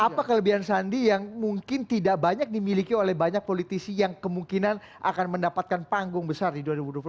apa kelebihan sandi yang mungkin tidak banyak dimiliki oleh banyak politisi yang kemungkinan akan mendapatkan panggung besar di dua ribu dua puluh empat